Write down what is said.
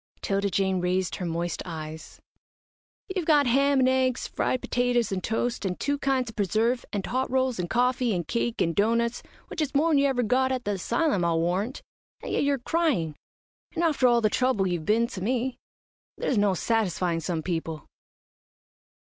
'Tilda Jane raised her moist eyes. "You've got ham and eggs; fried petetters and toast, and two kinds of preserve, and hot rolls and coffee, and cake and doughnuts, which is more'n you ever got at the asylum, I'll warrant, and yet you're crying, and after all the trouble you've been to me. There's no satisfying some people."